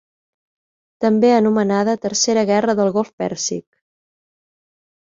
També anomenada Tercera guerra del golf Pèrsic.